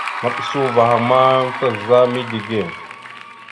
Maɓəsa uvah a ma taza midǝge.